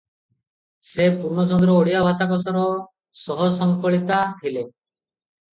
ସେ ପୂର୍ଣ୍ଣଚନ୍ଦ୍ର ଓଡ଼ିଆ ଭାଷାକୋଷର ସହସଂକଳିକା ଥିଲେ ।